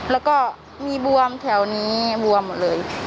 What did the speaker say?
แล้วก็มีบวมแถวนี้บวมหมดเลย